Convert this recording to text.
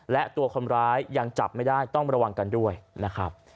และตัวคนร้ายยังจับไม่ได้ต้องระวังกันด้วยนะครับ